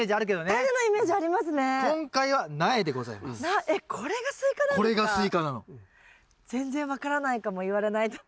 全然分からないかも言われないと。